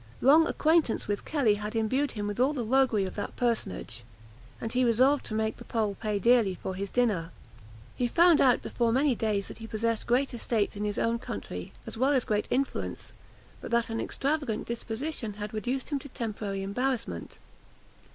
Long acquaintance with Kelly had imbued him with all the roguery of that personage, and he resolved to make the Pole pay dearly for his dinner. He found out before many days that he possessed great estates in his own country, as well as great influence, but that an extravagant disposition had reduced him to temporary embarrassment.